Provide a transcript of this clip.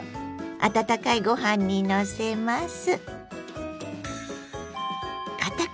温かいご飯にのせます。